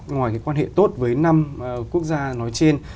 ngoài quan hệ tốt với năm quốc gia nói trên